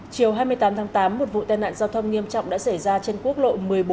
chiều hai mươi tám tháng tám một vụ tai nạn giao thông nghiêm trọng đã xảy ra trên quốc lộ một mươi bốn